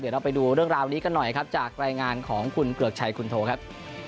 เดี๋ยวเราไปดูเรื่องราวนี้กันหน่อยครับจากรายงานของคุณเกริกชัยคุณโทครับ